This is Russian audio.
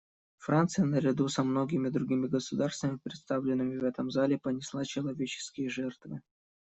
Франция, наряду со многими другими государствами, представленными в этом зале, понесла человеческие жертвы.